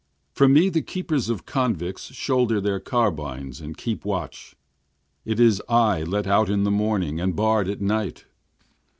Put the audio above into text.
For me the keepers of convicts shoulder their carbines and keep watch, It is I let out in the morning and barrâd at night.